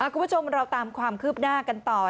คุณผู้ชมเราตามความคืบหน้ากันต่อ